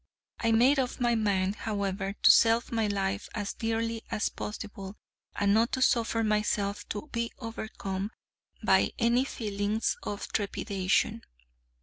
I made up my mind, however, to sell my life as dearly as possible, and not to suffer myself to be overcome by any feelings of trepidation.